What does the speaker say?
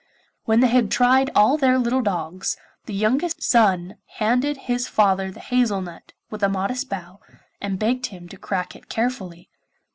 When they had tried all their little dogs, the youngest son handed his father the hazel nut, with a modest bow, and begged him to crack it carefully.